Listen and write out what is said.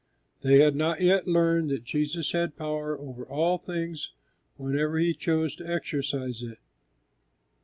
They had not yet learned that Jesus had power over all things whenever He chose to exercise it.